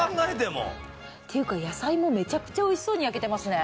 っていうか野菜もめちゃくちゃ美味しそうに焼けてますね！